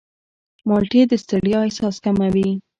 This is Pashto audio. مالټې د ستړیا احساس کموي.